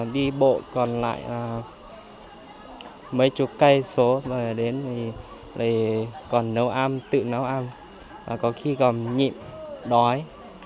đi bộ còn lại là mấy chục cây số mà đến thì còn nấu ăn tự nấu ăn và có khi còn nhịn đói